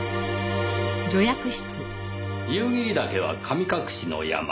夕霧岳は神隠しの山。